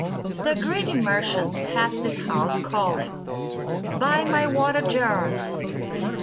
The greedy merchant passed this house, calling, "Buy my water jars!